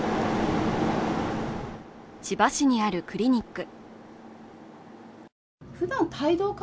千葉市にあるクリニック。